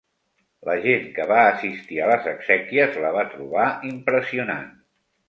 La gent que va assistir a les exèquies la va trobar impressionant.